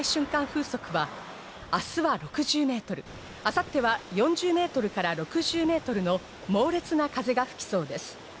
風速は、明日は６０メートル、明後日は４０メートルから６０メートルの猛烈な風が吹きそうです。